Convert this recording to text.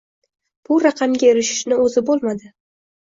bu raqamga erishishni o'zi bo'lmadi.